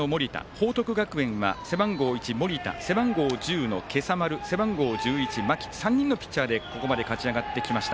報徳学園は背番号１、盛田背番号１０の今朝丸背番号１１、間木３人のピッチャーで勝ち上がってきました。